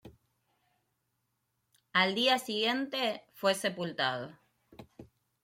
Al día siguiente fue sepultado.